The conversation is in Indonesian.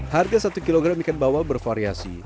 harga satu kilogram ikan bawal bervariasi